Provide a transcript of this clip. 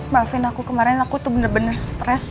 maafin aku kemarin aku tuh bener bener stres